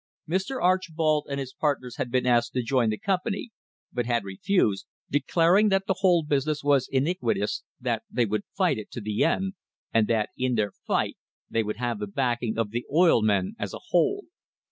Mr. Archbold and his partners had been asked to join the company, but had Bid, declaring that the whole business was, .iniquitous, THE HISTORY OF THE STANDARD OIL COMPANY that they would fight it to the end, and that in their fight they would have the backing of the oil men as a whole.